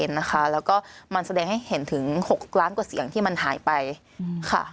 แล้วก็มันแสดงให้เห็นถึง๖ล้านกว่าเสียงที่มันหายไปค่ะ